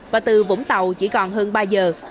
và từ vũng tàu chỉ còn hơn ba giờ